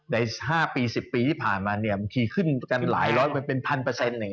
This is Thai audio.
ใน๕๑๐ปีที่ผ่านมามันขึ้นกันหลายร้อยเป็นพันเปอร์เซ็นต์